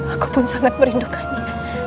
aku pun sangat merindukannya